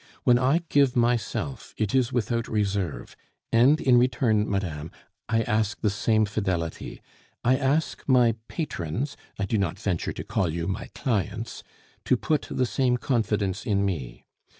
When I give myself, it is without reserve. And in return, madame, I ask the same fidelity; I ask my patrons (I do not venture to call you my clients) to put the same confidence in me.